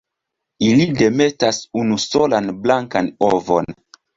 Ili demetas unusolan blankan ovon.